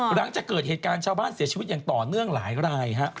หลังจากเกิดเหตุการณ์ชาวบ้านเสียชีวิตอย่างต่อเนื่องหลายราย